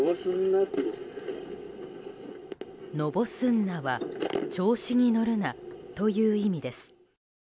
のぼすんなは調子に乗るなという意味です。